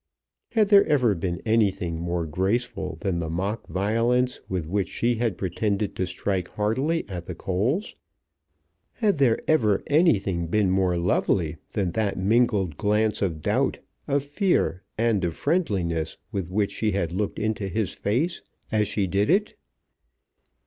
Had there ever been anything more graceful than the mock violence with which she had pretended to strike heartily at the coals? had there ever anything been more lovely than that mingled glance of doubt, of fear, and of friendliness with which she had looked into his face as she did it?